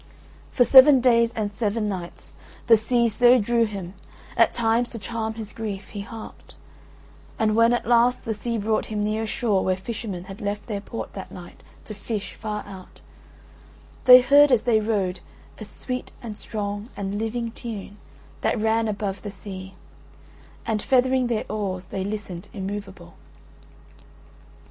For seven days and seven nights the sea so drew him; at times to charm his grief, he harped; and when at last the sea brought him near a shore where fishermen had left their port that night to fish far out, they heard as they rowed a sweet and strong and living tune that ran above the sea, and feathering their oars they listened immovable.